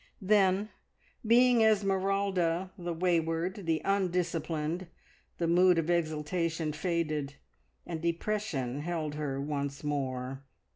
Then, being Esmeralda, the wayward, the undisciplined, the mood of exultation faded, and depression held her once more.